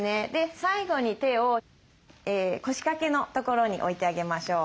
最後に手を腰掛けのところに置いてあげましょう。